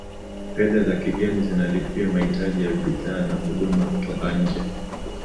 fedha za kigeni zinalipia mahitaji ya bidhaa na huduma kutoka nje